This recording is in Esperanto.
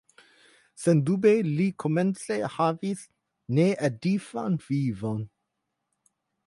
Sendube li komence havis needifan vivon.